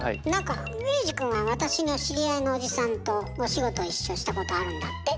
衛二くんは私の知り合いのおじさんとお仕事一緒したことあるんだって？